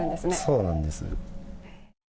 そうなんです。